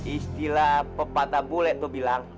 istilah pepatah bule itu bilang